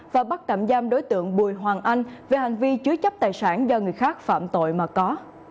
và bắt tạm giam đối tượng bùi hoàng anh về hành vi chứa chấp tài sản do người khác phạm tội mà có